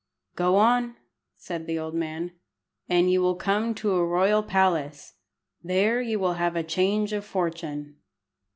"Go on," said the old man, "and you will come to a royal palace; there you will have a change of fortune."